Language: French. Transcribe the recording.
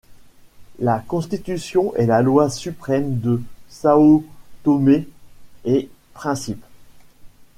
La Constitution est la loi suprême de Sao Tomé-et-Principe.